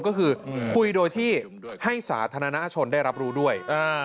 ก็คือคุยโดยที่ให้สาธารณชนได้รับรู้ด้วย